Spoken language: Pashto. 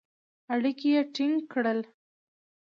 اړیکي یې ټینګ کړل.